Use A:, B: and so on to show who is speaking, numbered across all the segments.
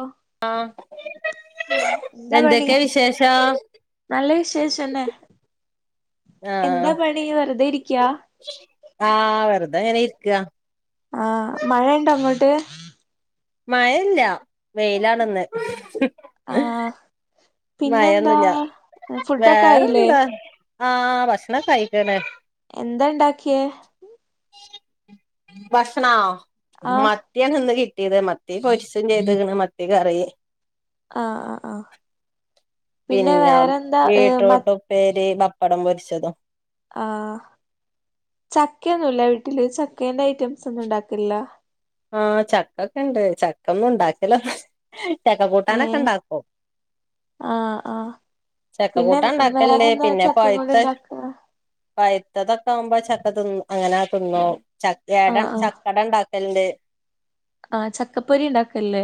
A: ഓ
B: ആഹ്
A: ആഹ് എന്താ പണി
B: എന്തൊക്കെ വിശേഷം
A: നല്ല വിശേഷം [unintelligible] എന്താ
B: ആഹ്
A: പണി വെറുതെ ഇരിക്
B: ആഹ് വെറുദേ ഇങ്ങനെ ഇരിക്ക
A: ആഹ് മഴ ഇണ്ടോ അങ്ങോട്ട്
B: മഴ ഇല്ല വെയിലാണന്ന്
A: ആഹ് പിന്നെന്താ
B: മയൊന്നുല്ല
A: ഫുഡൊക്കെ ആയില്ലേ
B: വേറെന്താ ആഹ് ഭക്ഷണം കഴിക്കണ്
A: എന്താ ഇണ്ടാക്കിയേ
B: ഭഷ്ണവോ
A: ആഹ്
B: മത്തിയാണ് ന്നു കി ട്ടിയത് മത്തി പരിസും ചെയ്ത മത്തി കറി
A: ആഹ് ആഹ് ആഹ് പിന്നെ
B: പിന്ന
A: വേറെന്താ ഏഹ് മ
B: വീട്രൂട്ടുപ്പേരി ബപ്പടം പൊരിച്ചതും
A: ആഹ ചക്കൊന്നുമല്ല വീട്ടില് ചക്കേറെ ഐറ്റംസ് ഒന്നും ഉണ്ടാക്കില്ല
B: ആ ചക്കൊക്കെ ഇണ്ട് ചക്ക ഒന്നും ഉണ്ടാക്കല്ലോ ചക്ക കൂട്ടാനൊക്കെ ഇണ്ടാക്കോ
A: ആഹ ആഹ
B: ചെക്കക്കൂട്ട ഉണ്ടാക്കലല്ലേ പിന്നെ
A: കൊണ്ട്
B: പഴത്ത
A: ഇണ്ടാക്ക
B: പ മുത്തതൊക്കെ ആകുമ്പോ ചക്ക തി അങ്ങനെ തിന്നോ ചട
A: ആഹ്
B: ചക്കട ഉണ്ടാക്കലുണ്ട്
A: ആഹ ചക്കപ്പൊരി ഉണ്ടാക്കല്ലേ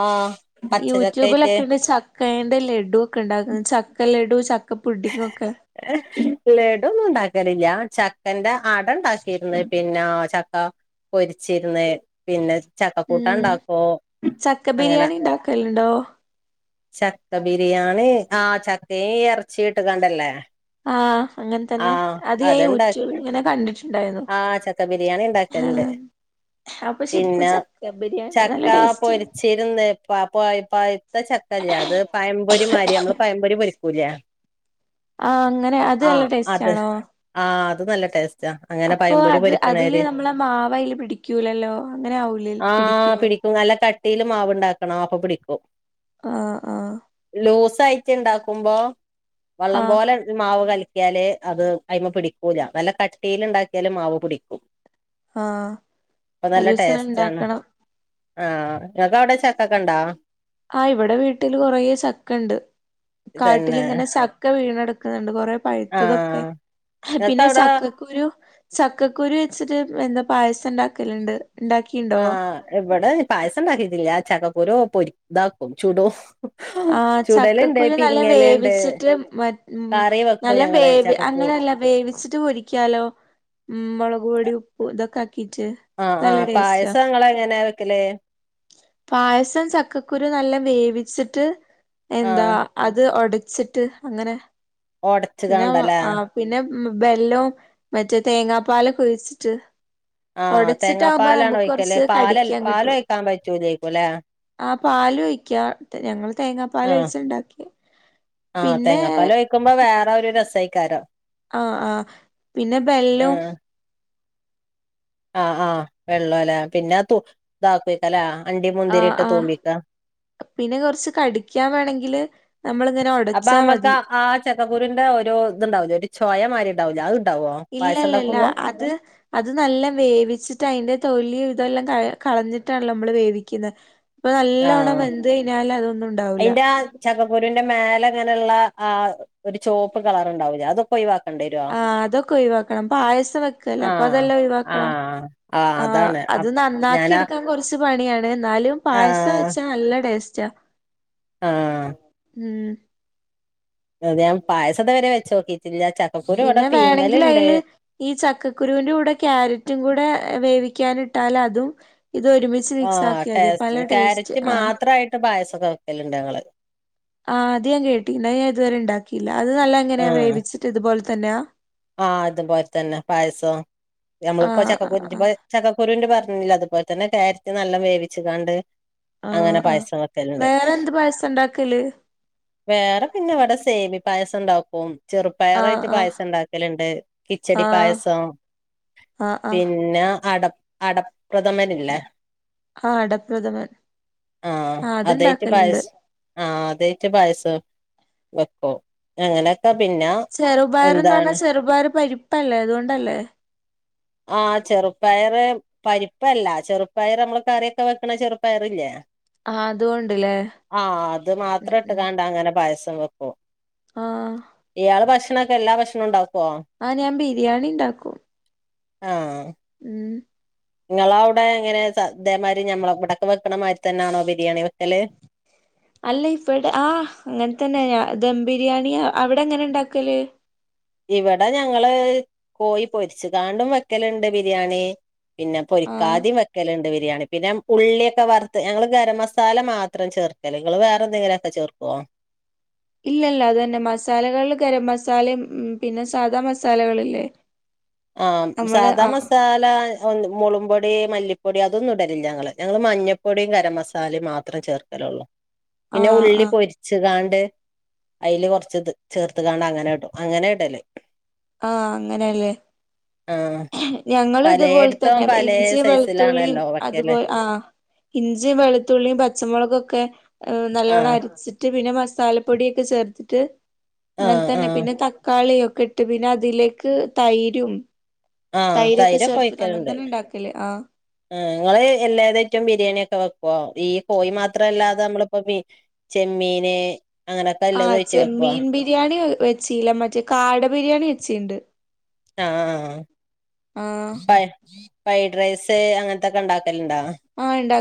B: ആഹ് പച്ചചക്കായിട്ട്
A: യൂട്യൂബിലൊക്കെണ്ട് ചക്കന്റെ ലഡു ഒക്കെ ഉണ്ടകുന്നു ചക്ക ലഡു ചക്കപ്പുഡിങ്ങൊക്കെ
B: ലഡൊന്നും ഇണ്ടാക്കലില്ല ചക്കന്റെ ആട ഉണ്ടാക്കിരന്ന് പിന്നാ ചക്ക പൊരിച്ചിരന്ന് പിന്നെ ചക്കക്കൂട്ട
A: ഉം
B: ഉണ്ടാക്കോ
A: ചക്ക
B: അങ്ങനെ
A: ബിരിയാണി ഉണ്ടാക്കലുണ്ടോ
B: ചക്ക ബിരിയാണി ആ ചക്കയും ഇറച്ചി ഇട്ട് കണ്ടല്ലേ
A: ആഹ അങ്ങനെ തന്നെ അത് ഊറ്റു
B: അത്ണ്ടാക്കി
A: ഇങ്ങനെ കണ്ടിട്ടുണ്ടായിരുന്നു
B: ആഹ് ചക്ക ബിരിയാണി
A: ഉ
B: ഉണ്ടാക്കലുണ്ട് പിന്നെ
A: നല്ല
B: ചക്ക
A: ടേസ്റ്റാ
B: പൊരിച്ചിരുന്ന് പപ്പത്ത ച ല്ലേ അത് പയംപൊരി മാതിരി നമ്മള് പയംപൊരി പൊരിക്കൂല
A: ആഹ് അങ്ങനെ അത്
B: ആഹ
A: നല്ല ടേസ്റ്റ്
B: അത
A: ആണോ
B: ആ അത് നല്ല ടേസ്റ്റ്
A: അപ്പൊ അത് അതില് നമ്മളെ മാവൽ പിടിക്കൂലല്ലോ അങ്ങനെ ആവൂല പിടിക്കുവോ
B: ിക്കും നല്ല കട്ടിയിലും മാവ് ഉണ്ടാക്കണം ആപ്പ പിടിക്കും
A: ആഹ ആഹ
B: ലൂസ് ആയിട്ട് ഉണ്ടാക്കുമ്പോ വെള്ളം
A: ആഹ്
B: പോലെ മാവ് കലിക്കിയാലല് അത് അയി്മ പിടിക്കൂല നല്ല കട്ടിൽ ഉണ്ടാക്കിയാലും മാവ് പിടിക്കും
A: ആഹ്
B: അപ്പൊ നല്ല
A: ഒരൂസം
B: ടേസ്റ്റ് ആണ്
A: ഉണ്ടാക്കണം
B: ആഹ ഞനക്ക് അവിടെ ചെക്കൊക്കെ ഉണ്ടോ
A: ആ ഇവിടെ വീട്ടിൽ കുറെ സക്ക ഉണ്ട്
B: ഇതന്നെ
A: കാട്ടിലിങ്ങനെ സക്ക വീണടുക്ക ുന്നുണ്ട് കൊറെ പഴുത്തതൊക്കെ
B: ആഹ് ഇങ്ങക്ക്
A: പിന്നെ
B: അവിടെ
A: ചക്കക്കൊരു ചക്കക്കുരി വെച്ചിട്ട് എന്താ പായസം ഉണ്ടാക്കലണ്ട്
B: ആഹ എവിടെ പായസം ഉണ്ടാക്കിയിട്ടില്ല ചക്കക്കൂരോ പൊരി ഇതാക്കും ചൂടോ
A: ആ ചക്കക്കുഴി നല്ല വേവിച്ചിട്ട് മ
B: കറി
A: നല്ല
B: വെക്കും ഞങ്ങള് ചക്കക്കുരു
A: വേങ്ങ അല്ല വേവിച്ചിട്ട് പൊരിക്കാലോ ഉ മുളക് പൊടി ഉപ്പ് ഇതൊക്കെ ച്ച്
B: ആഹ്
A: നല്ല
B: ആഹ്
A: ടേസ്റ്റ്ാ
B: പായസം ഇങ്ങളെങ്ങനെ വെക്കല്
A: പായസം ചക്കക്കുരു നല്ലാം വേവിച്ചിട്ട് എന്താ
B: ആഹ്
A: അത് ഒടച്ചിട്ട് അങ്ങനെ
B: ഒടച്ച്
A: പിന്നെ
B: കാണ്ടല്ലേ
A: ആ പിന്നെ ബെല്ലം മറ്റേ തേങ്ങാപ്പാാല പഴിച്ചിട്ട്
B: ആഹ്
A: ഉടച്ചിട്ടാകുമ്പോ
B: തേങ്ങാപ്പാലാണോ
A: നമുക്ക്
B: ഒഴിക്കല്
A: കുറച്ച്
B: പാല
A: കടിക്കാൻ കിട്ടും
B: പാലൊഴിക്കാൻ പറ്റൂലേക്കുംല്ലേ
A: ആഹ പാാല ഒഴിക്ക ഞങ്ങള് തേങ്ങാ പാാല ഒഴിച്ചുണ്ടാക്കി
B: ആഹ തേങ്ങാപ്പാല വയ്ക്കുമ്പോ വേറെ ഒരു രസമായിക്കാരോ
A: ആഹ ആഹ പിന്നെ ബെല്ലും
B: ആഹ ആഹ് വെള്ളം അല്ലേ പിന്നെ ഇതാക്ക വക്കലേ
A: ആ ആ പിന്നെ കുറച്ച് കടിക്കാൻ വേണമെങ്കിൽ നമ്മളിങ്ങനെ
B: അപ്പൊ
A: ഒടച്ചാ
B: നമ്മുക്ക്
A: മതി
B: ആ ചെക്കക്കൂരിന്റെ ഒരു ഇതുണ്ടാവലോ ഒരു ചോയമാതിരി ഉണ്ടാവലോ അത് ഇണ്ടാവോ പായസം
A: ഇല്ലല്ലല്ല
B: ഇണ്ടാക്കുമ്പോ
A: അത് അത് നല്ല വേവിച്ചിട്ട് അതിന്റെ തൊല്ി ഇതെല്ലാം ക കളഞ്ഞിട്ടാണ്ോ നമ്മള് വേവിക്കുന്നത് ഇപ്പൊ നല്ലോണം
B: ആഹ്
A: വെന്ത് കഴിഞ്ഞാല് അതൊന്നും ഉണ്ടാവൂില്ല
B: ന്റെ മേലെ അങ്ങനെയുള്ള ആ ഒരു ചോപ്പ് കളർ ഉണ്ടാവില്ലേ അതൊക്കെ ഒവാ
A: ആ അതൊക്കെ ഒഴിവാക്കണം പായസം വെക്കല്ലേ അപ്പൊ
B: ആഹ്
A: അതെല്ലാം ഒഴിവാക്കണം
B: ആഹ് ആഹ്
A: ആഹ
B: അതാണ്
A: അത്
B: അപ്
A: നന്നാക്കി
B: ഞാനാ
A: എടുക്കാൻ കുറച്ച് പണിയാണ് എന്നാലും പായസം വെച്ചാ നല്ല ടേസ്റ്റ
B: ആഹ
A: ഉം
B: അത് ഞാൻ പായസത്തെ വരെ വെച്ച് നോക്കി തിന്നാൻ
A: പിന്നെ വേണെങ്കിൽ അതില് ഈ ചക്കക്കുരുവിന്റെ കൂടെ കക്യാരറ്റും കൂടെ വേവി ക്കാനിട്ടാൽ അതും ഇത് ഒരുമിച്ച് മിക്സ്
B: ആഹ്
A: ആക്കിയാ മതിയോ പല
B: ടേസ്റ്റ്
A: ടേസ്റ്റ്
B: ക്യാരറ്റ്
A: ആ
B: മാത്രായിട്ട് പായസൊക്കെ വെക്കലുണ്ട് ഞങ്ങള്
A: ആഹ് അത് ഞാൻ കേട്ടി ഇാ ഞാൻ ഇതുവരെ ഉണ്ടാക്കിയില്ല അത് നല്ല എങ്ങനെയാ വേവിച്ചിട്ട് ഇതുപോലെ തന്നെയാ
B: ആഹ അതുപോലെ തന്നെ പായസം നമ്മളിപ്പം
A: ആഹ് ആഹ്
B: ചക്കക്കുരു
A: ആഹ്
B: ചക്കക്കുരുന്റെ പറ അതുപോലെ തന്നെ കയറ്റ് നല്ല വേവിച്ച കാണ്ട്
A: ആഹ്
B: അങ്ങനെ
A: ആഹ്
B: പായസവെക്കലുണ്ട്
A: വേറെ എന്ത് പായസം ഇണ്ടാക്കല്
B: വേറെ പിന്നെ ഇവിടെ സേമി പായസം ഉണ്ടാക്കും
A: ആഹ്
B: ചെറുപ്പയറായിട്ട്
A: ആഹ്
B: പായസം ഉണ്ടാക്ക ലുണ്ട് കിച്ചടി
A: ആഹ്
B: പായസം
A: ആഹ് ആഹ്
B: പിന്നെ അട അടപ്രഥമനില്ലേ?
A: ആഹ് അടപ്രഥമൻ
B: ആ
A: ആഹ്
B: അതായിട്ട്
A: അത്ണ്ടാക്കല്ണ്ട്
B: പായസം ആ അതെ മറ്റ പായസം വെക്കോ അങ്ങനെ
A: ചെറുപയർന്ന് പറഞ്ഞാൽ ചെറുപയർ പരിപ്പല്ലേ അതുകൊണ്ടല്ലേ?
B: ആ ചെറുപ്പയർ പരിപ്പല്ല ചെറുപ്പയർ നമ്മള് കറിയൊക്കെ വെക്കണ ചെറുപ്പയറില്ലേ?
A: ആഹ് അതുകൊണ്ട്ല്ലേ
B: ആ അത്
A: ഉം
B: മാത്രം ഇട്ട്
A: ഉം
B: കണ്ട അങ്ങനെ പായസം
A: ആഹ്
B: ഇയാള് ഭക്ഷണൊക്കെ എല്ലാ ഭക്ഷണ ഉണ്ട
A: ആഹ് ഞാൻ ബിരിയാണി ഉണ്ടാക്കും.
B: ആ.
A: ഉം.
B: നിങ്ങള അവിടെ എങ്ങനെ ഇതേമാതിരി ഞമ്മളെ ഇവിടൊക്കെ വെക്കണ മാതിരി തന്നെയാണോ ബിരിയാണി വെക്കല്.
A: അല്ല ഇപ്പടെ ആഹ് അങ്ങനെ തന്നെ ഞ ദം ബിരിയാണി അവിടെ എങ്ങനെ ഇണ്ടാക്കല്?
B: ഇവിടെ ഞങ്ങള് കോയി പൊരിച്ചുകാണ്ടും വെക്കലുണ്ട് ബിരിയാണി പിന്നെ
A: ആഹ്
B: പൊരിക്കാതേയും വെക്കലണ്ട്. ബിരിയാണി പിന്നെ ഉള്ളിയൊക്കെ വറുത്ത് ഞങ്ങള് ഗരം മസാല മാത്രം ചേർക്കല് നിങ്ങള് വേറെ എന്തെങ്കിലുമൊക്കെ ചേർക്കുവോ?
A: ഇല്ല ഇല്ല അത് തന്നെ മസാലകൾ ഗരം മസാലയും ഉം പിന്നെ സാദാ മസാലകളില്ലേ?
B: ആ
A: നമ്മള്
B: സാദാ
A: ആഹ്
B: മസാല മുളമ്പൊപൊ പൊടി മല്ലിപ്പൊടി അതൊന്നും ഇടലില്ല ഞങ്ങള് ഞങ്ങള് മഞ്ഞപ്പൊടും കരം മസാലയും മാത്രം ചേർക്കല് ഉള്ളൂ. പിന്നെ
A: ആഹ്
B: ഉള്ളി
A: ആഹ്
B: പൊരിച്ചുകാണ്ട് അയില് കൊറച്ച് ചേർത്ത് കാണ്ട അങ്ങനെ ഇടും അങ്ങനെ ഇടല്.
A: ആ അങ്ങനെല്ലേ?
B: ആഹ്
A: ഞങ്ങള് ഇതുപോലെ
B: പലേയിടത്തും
A: തന്നെ
B: പലേ
A: ഇഞ്ചി വെളുത്തുള്ളിയും
B: സൈസിലാണല്ലോ വെക്കല്
A: അതുപോലെ ആ ഇഞ്ചിയും വെളുത്തുള്ളിയും പച്ചമുളകൊക്കെ നല്ലവണ്ണം
B: ആഹ്
A: അരച്ചിട്ട് പിന്നെ മസാലപൊടിയൊക്കെ ചേർത്തിട്ട് അങ്ങനെ
B: ആഹ്
A: തന്നെ
B: ആഹ്
A: പിന്നെ തക്കാളിയൊക്കെ ഇട്ട് പിന്നെ അതിലേക്ക് തൈരും
B: ആ തൈരൊക്കെ
A: ചേർത്തിട്ട് അങ്ങനെ
B: ഒഴിക്കലുണ്ട്.
A: തന്നെ ഉണ്ടാക്കല് ആ
B: ആ നിങ്ങള് എല്ലാതായിട്ടും ബിരിയാണി ഒക്കെ വെക്ക് ഈ കോഴി മാത്രല്ലാതെ നമ്മളിപ്പോ ചെമ്മീന് അങ്ങനൊക്കെ
A: ആ
B: എല്ലതും ആയിട്ട് വെക്കോ
A: ചെമ്മീൻ
B: ആഹ്
A: ബിരിയാണി വെച്ചീല്ല മറ്റേ കാട ബിരിയാണി വെച്ചീണ്ട്.
B: ആ
A: ആഹ്
B: ആ ഫ്രൈഡ് റൈസ് അങ്ങനത്തൊക്കെ ഉണ്ട വെക്കലണ്ട?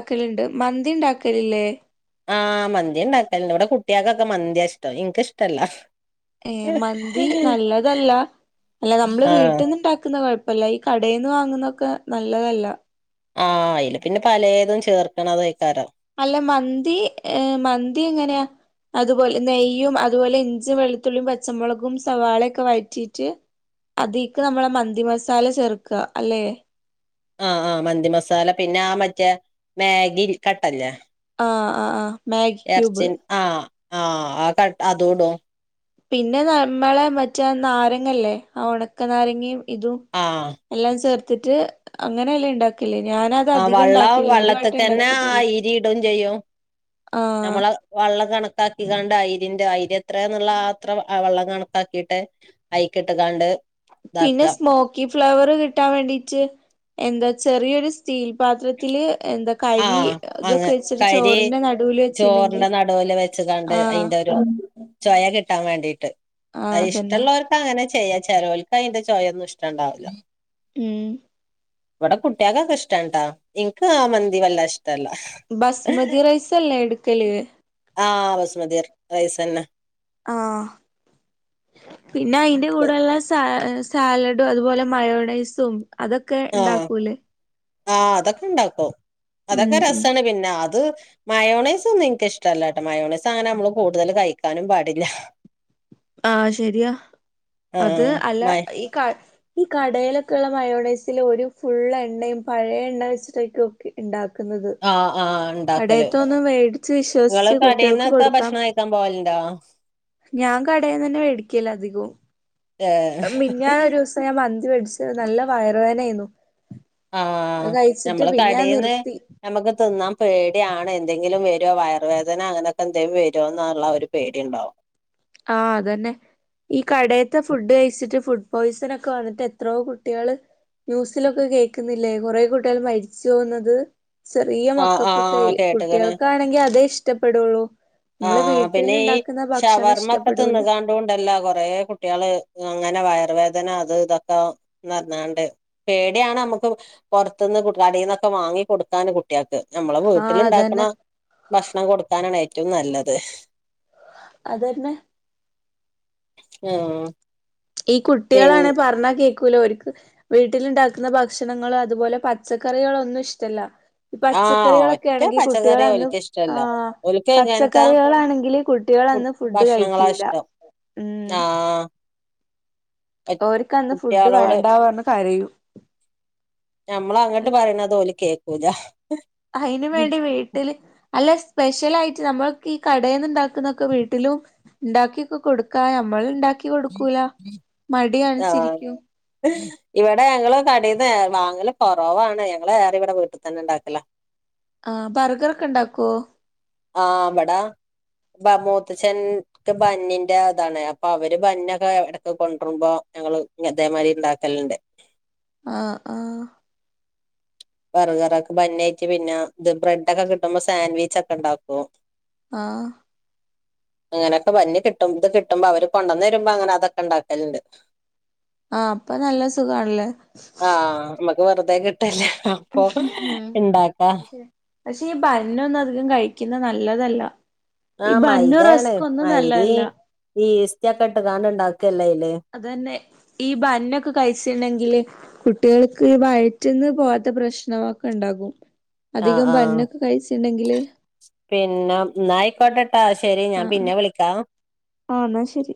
A: വെക്കലിണ്ട് മന്തി ഉണ്ടാക്കലല്ലേ?
B: ആഹ് മന്തി ഉണ്ടാക്കലണ്ട് ഇവിടെ കുട്ടികൾക്കൊക്കെ മന്തിയ ഇഷ്ടം എനക്ക് ഇഷ്ടല്ല.
A: ഏ മന്തി നല്ലതല്ല അല്ല നമ്മള്
B: ആഹ്
A: വീട്ടിൽന്ന് ഉണ്ടാക്കുന്ന കുഴ പ്പല്ല ഈ കടയിൽന്ന് വാങ്ങുന്നതൊക്കെ നല്ലതല്ല.
B: ആ അയില് പിന്നെ പലതും ചേർക്കണത ആയ്കാരം.
A: അല്ല മന്തി മന്തി എങ്ങനെയാ? അതുപോലെ നെയ്യും അതുപോലെ ഇഞ്ചും വെളുത്തുള്ളിയും പച്ചമുളകും സവാളയൊക്കെ വഴറ്റിയിട്ട് അതിക്ക് നമ്മളെ മന്തി മസാല ചേർക്ക അല്ലെ?
B: ആഹ് ആഹ് മന്തി മസാല പിന്നെ ആ മറ്റേ മാഗി കട്ടല്ലേ?
A: ആഹ് ആഹ് ആഹ് മാഗി ക്യൂബ്.
B: ആ ആ ക അതും ഇടും.
A: പിന്നെ നമ്മളെ മറ്റ നാരങ്ങല്ലേ ആ ഉണക്ക നാരങ്ങ ഇതും
B: ആഹ്
A: എല്ലാം ചേർത്തിട്ട് അങ്ങനെല്ലാം ഉണ്ടാക്കി
B: ആ വെള്ളം വെള്ളത്തിക്കന്നെ ആ
A: ഉണ്ടാക്കിട്ടുള്ളു
B: അരി ഇടും ചെയ്യും.
A: ആഹ്
B: നമ്മളെ വെള്ള കണ കത്താക്കിക്കാണ്ട് അഐരിൻന്റെ അയിര് എത്രന്നുള്ള അത്ര വെള്ളം കണക്കാക്കിയിട്ട് അയിക്കിട്ട കാണ്ട്
A: പിന്നെ സ്മോക്കി ഫ്ലവർ കിട്ടാൻ വേണ്ടീട്ട് എന്താ ചെറിയൊരു സ്റ്റീൽ പാത്രത്തില് എന്താ കരി
B: ആഹ്
A: ഇതൊക്കെ
B: അങ്ങ്
A: വെച്ചിട്ട് ചോറിന്റെ നടുവിൽ വെച്ചിട്ടുണ്ടെങ്കി
B: വെ കണ്ട് അതിന്റെ ഒരു ചൊയ കിട്ടാൻ വേണ്ടിട്ട്
A: ആഹ്
B: അ
A: അതന്നെ
B: ഇഷ്ടമുള്ളവർക്ക് അങ്ങനെ ചെയ്യാ ചെിലവൽക്ക് അതിന്റെ ചോയൊന്നും ഇഷ്ട ഉണ്ടാവില്ല
A: ഉം
B: കടെ കുട്ടാക കഷ്ടംട്ടാ ഇൻക ആ മന്ദ വള്ളഷ്ട ല്ല
A: ബസ്മതി റൈസ് അല്ലേ എടുക്കല്
B: ആ ബസ്മതി റൈസ് തന്നെ
A: ആഹ പിന്നെ അയിന്റെ കൂടെള്ള സ സാലഡും അതുപോലെ മയോണൈസും അതൊക്കെ ഉണ്ടാക്കൂല്ലേ
B: ആ അതൊക്കെ ഉണ്ടാക്കോ
A: ഉം
B: അതൊക്കെ
A: ഉം
B: രസമാണ് പിന്നെ അത് മയോണീസ് ഒന്നും എനിക്കിഷ്ടമല്ലാട്ടോ മയോണീസ് അങ്ങനെ നമ്മള് കൂടുതൽ കഴിക്കാനും പാടില്ല
A: ആഹ ശരിയാ അത്
B: ആഹ്
A: അല്ല
B: മയ
A: ഈ കാ ഈ കടയിലൊക്കെയുള്ള മയോണൈസൽ ഒരു ഫുൾ എണ്ണയും പഴയ എണ്ണ വെച്ചിടക്കും ഒക്കെ ഉണ്ടാക്കും ുന്നത്
B: ആഹ് ആഹ് ഇണ്ടാക്കല്
A: കടയിത്തൊന്ന്ും മേടിച്ച്
B: ഇങ്ങള്
A: വിശ്വസിച്ച് കുട്ടികൾക്ക്
B: കടേന്നൊക്കെ
A: കൊടുക്കാം
B: ഭക്ഷണം കഴിക്കാൻ പോവലുണ്ടോ
A: ഞാൻ കടയിൽന്ന് തന്നെ മേടിക്കല്ല അധികവും
B: ഏഹ്
A: മിന്നൻ ഒരു ദിവസം ഞാൻ മന്തി മേടിച്ച നല്ല വയറേനായിരുന്നു
B: ആഹ നഞമ്മള്
A: ഞാൻ
B: കടന്ന്
A: നിർത്തി
B: നഞമ്മുക്ക് തിന്നാൻ പേടിയാണ് എന്തെങ്കിലും വരുമോ വയറർ വേദന അങ്ങനെയൊക്കെ എന്തെിലും വരുമോന്നുള്ള ഒരു പേടി ഉണ്ടാവോ
A: ആ അതന്നെ ഈ കടയത്തെ ഫുഡ് കഴിച്ചിട്ട് ഫു പോയിസൺ ഒക്കെ വന്നിട്ട് എത്രയോ കുട്ടികൾ ന്യൂസിലൊക്കെ കേൾക്കുന്നില്ലേ കുറെേ കൂട്ടികൾ മരിച്ചുോന്നത് ചെറിയ
B: ആഹ്
A: മക്കൾക്കൊക്കെ
B: ആഹ് കേട്ട്ക്ക്ണ്
A: കുട്ടികൾക്കാണെങ്കിൽ അതേ ഇഷ്ടപ്പെെള്ളു
B: ആഹ പിന്നെ ഈ ഷവർമൊക്കെ
A: ഇഷ്ടപ്പെടൂല
B: തിന്നുകാണ്ടുകൊണ്ടല്ല കൊറേ കുട്ടികള് അങ്ങനെ വയറ വേദന അത് ഇതൊക്കെ നിന്നണ്ട് പേടിയാണ് നമുക്ക് പുറത്തന്ന് കടയി നിന്നൊക്കെ വാിടുക്കാണ് കുട്ടികൾക്ക് നമ്മളെ
A: ആഹ്
B: വീട്ടിലുണ്ടാക്കണ
A: അതന്നെ
B: ഭക്ഷണം കൊടുക്കാനാണ് ഏറ്റവും നല്ലത്
A: അതന്നെ
B: ആഹ
A: ഈ കുട്ടികളാണ പറഞ്ഞാ കേ ല അവർക്ക് വീട്ടിലുണ്ടാക്കുന്ന ഭക്ഷണങ്ങ അതുപോലെ പച്ചക്കറികള ഒന്നും ഇഷ്ടല്ല ഇ
B: ആഹ്
A: പച്ചക്കറികളൊക്കെ
B: ഒറ്റ
A: ആണെങ്കിൽ കുട്ടികൾ
B: പച്ചക്കറി
A: അന്ന്
B: ഓൽക്ക്
A: ആ
B: ഇഷ്ടല്ല ഓൽക്ക് എങ്ങനത്തെ
A: പച്ചക്കറികളാണെങ്കിൽ കുട്ടികൾ ന്ന് ഫുഡ് കഴിക്കൂല
B: ആഹ
A: അവക്ക് അന്ന് ഫുഡ്
B: കുട്ടികളോട്
A: വേണ്ടാവന്ന് കരൂ
B: ഞമ്മള അങ്ങോട്ട് പറയണതുോലി കേക്കൂല
A: അയിന് വേണ്ടി വീട്ടില് അല്ലെ സ്പെഷ്യൽ ആയിട്ട് നമ്മൾക്ക് ഈ കടയിൽന്ന്ുണ്ടാക്കുന്നൊക്കെ വീട്ടിലും ഉണ്ടാക്കിയൊക്കെ കൊടുക്കാ നമ്മൾ ഉണ്ടാക്കി ക്കി കൊടുക്കൂല
B: ആഹ്
A: മടിയണിച്ചിരിക്കൂ
B: ഇവിടെ ഞങ്ങള് കടീന്ന് വാങ്ങല് കൊറവാണ് ഞങ്ങള് റെ ഇവിടെ വീട്ടിൽ തന്നെ ഉണ്ടാക്കല
A: ആഹ ബർഗർൊക്കെ ഇണ്ടാക്കുവോ
B: ആഹ ബടാ മൂത്തച്ഛൻക്ക് ബന്നിന്റെ അതാണ് അപ്പൊ അവര് ബന്നൊക്കെ എവിടക്ക് കൊണ്ടരുമ്പോ ഞങ്ങള് അതേമാതിരി ഇണ്ടാക്കലുണ്ട്
A: ആ ആ
B: ബർഗറൊക്കെ ബന്നായിട്ട് റ പിന്നെ ഇത് ബ്രെഡൊക്കെ കിട്ടുമ്പോ സാൻഡ്വിച്ച് ഒക്കെ ഇണ്ടാകൊ
A: ആഹ്
B: അങ്ങനൊക്കെ വന്ി കിട്ടും ഇത് കിട്ടുമ്പോ അവര് കൊണ്ടുവന്ന് വരുമ്പോ അങ്ങനെ അതൊക്കെ ഇണ്ടാക്കലുണ്ട്
A: ആ അപ്പൊ നല്ല സുഖാണല്ലേ
B: ആ നമ്മക്ക് വെറുതെ കിട്ടല്ല അപ്പൊ ഇണ്ടാക്ക
A: പക്ഷെ ഈ ബന്നൊന്നും അധികം കഴിക്കുന്ന നല്ലതല്ല
B: ആ
A: ഈ ബന്നും
B: മൈദയാണ്
A: റസ്ക്കും ഒന്നും
B: മൈദ
A: നല്ലതല്ല
B: ഈ ഇസ്റ്റക്കെ ഇട്ട് താണ്ട് ഇണ്ടാക്കല്ലേ
A: അതന്നെ ഈ ബന്നൊക്കെ കഴിച്ചിണ്ടെങ്കില് കുട്ടികൾക്ക് വയറ്റന്ന് പോവാത്ത പ്രശ്നമൊക്കെ ഇണ്ടാകും
B: ആ
A: അധികം
B: ആ
A: ബണ്ണൊക്കെ കഴിച്ചിണ്ടെങ്കില്
B: പിന്നെ നായക്കോട്ട ആ ശരി ഞാൻ പിന്നെ വിളിക്കാം
A: ആ എന്നാ ശരി